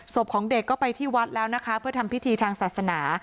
ของเด็กก็ไปที่วัดแล้วนะคะเพื่อทำพิธีทางศาสนา